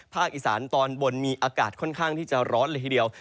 อีสานตอนบนมีอากาศค่อนข้างที่จะร้อนเลยทีเดียว